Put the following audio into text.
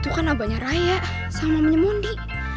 itu kan abangnya raya sama punya mundi